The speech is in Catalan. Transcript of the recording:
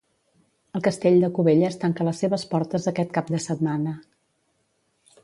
El Castell de Cubelles tanca les seves portes aquest cap de setmana.